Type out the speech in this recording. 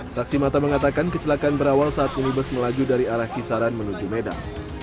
saksi mata mengatakan kecelakaan berawal saat minibus melaju dari arah kisaran menuju medan